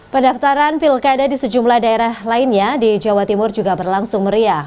pendaftaran pilkada di sejumlah daerah lainnya di jawa timur juga berlangsung meriah